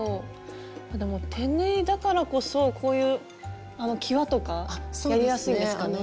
でも手縫いだからこそこういうきわとかやりやすいんですかね？